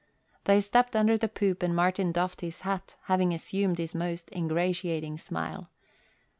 They stepped under the poop and Martin doffed his hat, having assumed his most ingratiating smile.